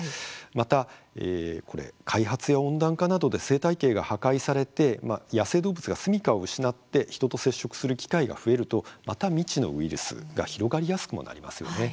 また、開発や温暖化などで生態系が破壊されて野生動物が住みかを失って人と接触する機会が増えるとまた未知のウイルスが広がりやすくもなりますよね。